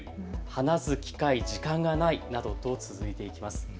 話す機会・時間がないなどと続いていきます。